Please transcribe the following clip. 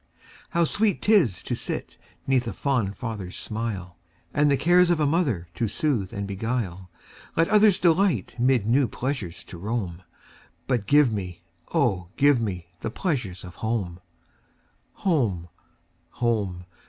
How sweet 't is to sit 'neath a fond father's smile, And the cares of a mother to soothe and beguile! Let others delight mid new pleasures to roam, But give me, oh, give me, the pleasures of home! Home! home!